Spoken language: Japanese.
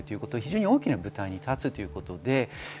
大きな舞台に立つということです。